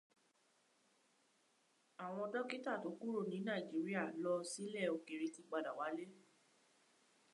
Àwọn dókítà tó kúrò ní Nàíjíríà lọ sílẹ̀ òkèerè ti padà wálé